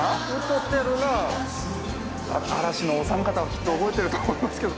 嵐のお三方はきっと覚えてると思いますけど。